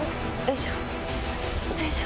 よいしょ。